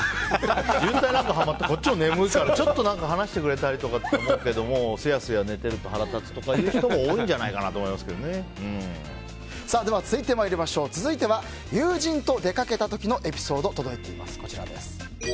渋滞なんかはまったらこっちも眠いからちょっと話してくれたりとかって思うけどすやすや寝てると腹立つ人も多いんじゃないかと続いては友人と出かけた時のエピソードが届いています。